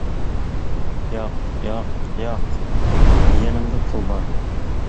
-ياق ياق ياق يېنىمدا پۇل بار.